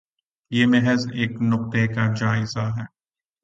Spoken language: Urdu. یہ محض ایک نکتے کا تجزیہ ہے۔